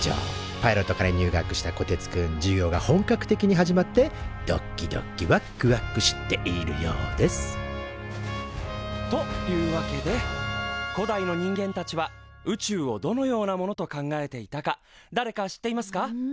パイロット科に入学したこてつくん授業が本格的に始まってどっきどきわっくわくしているようですというわけで古代の人間たちは宇宙をどのようなものと考えていたかだれか知っていますか？